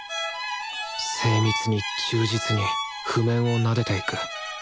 精密に忠実に譜面をなでていく。